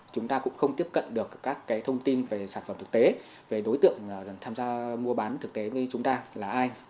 chúng ta cũng không tiếp cận được các thông tin về sản phẩm thực tế về đối tượng tham gia mua bán thực tế với chúng ta là ai